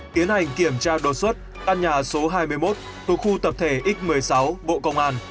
tiến hành kiểm tra đột xuất căn nhà số hai mươi một thuộc khu tập thể x một mươi sáu bộ công an